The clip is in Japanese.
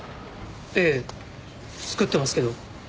ええ作ってますけど。